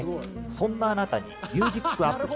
そんなあなたにミュージック・アプリ。